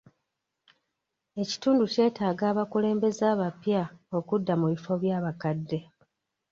Ekitundu kyetaaga abakulembeze abapya okudda mu bifo by'abakadde.